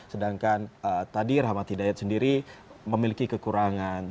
sedangkan tadi rahmat hidayat sendiri memiliki kekurangan